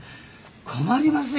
困りますよ！